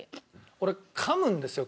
俺かむんですよ